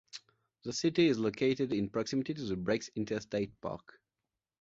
The city is located in proximity to the Breaks Interstate Park.